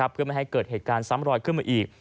เพื่อไม่ให้เกิดเหตุการณ์ซ้ำรอยขึ้นมาอีก